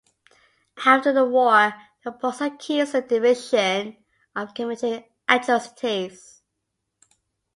After the war, the Poles accused the division of committing atrocities.